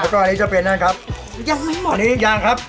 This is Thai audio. แล้วก็อันนี้จะเป็นนั่นครับยังไม่หมดอันนี้ยังครับ